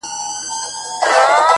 • لاس يې د ټولو کايناتو آزاد؛ مړ دي سم؛